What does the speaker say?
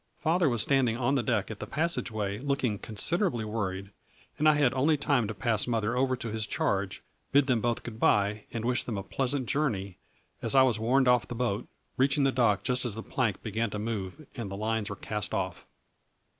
Father was standing on the deck at the passage way, looking consid erably worried, and I had only time to pass mother over to his charge, bid them both ' good bye ' and wish them a pleasant journey as I was warned off the boat, reaching the dock just as A FLURRY IN DIAMONDS. 93 the plank began to move and the lines were cast off.